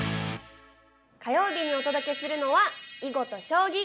火曜日にお届けするのは囲碁と将棋。